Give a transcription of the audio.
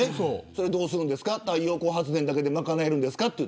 それをどうするんですか太陽光発電だけで賄えるんですかとか。